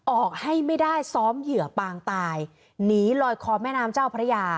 ออกให้ไม่ได้ซ้อมเหยื่อปางตายหนีลอยคอแม่น้ำเจ้าพระยา